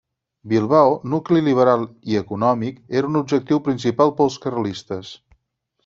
Bilbao, nucli liberal i econòmic, era un objectiu principal pels carlistes.